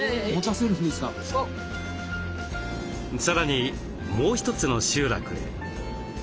さらにもう一つの集落へ。